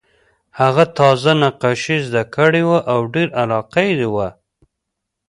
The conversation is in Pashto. هغه تازه نقاشي زده کړې وه او ډېره علاقه یې وه